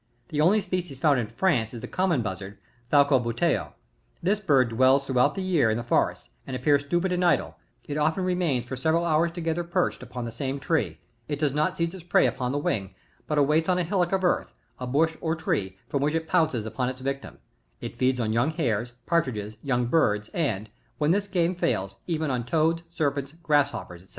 The only species found in France is the Common Buzzard, — Falco buteo. This bird dwells throjighout the year in the forests, and appears stupid and idle ; it often remains for several hours together perched upon the same tree ; it does not seize its prey upon the wing, but awaits on a hillock of earth, a bush or a tree, from which it pounces upon its victim ; it feeds on young hares, partridges, young birds, and, when this game feils, even on toads, serpents, grassho];^rs, &c.